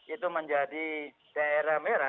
itu menjadi daerah merah